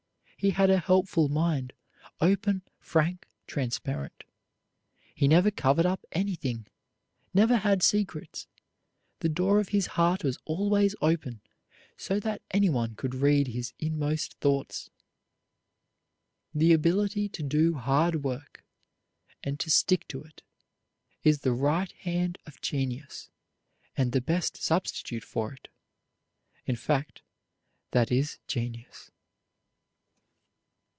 He had a helpful mind, open, frank, transparent. He never covered up anything, never had secrets. The door of his heart was always open so that anyone could read his inmost thoughts. The ability to do hard work, and to stick to it, is the right hand of genius and the best substitute for it, in fact, that is genius.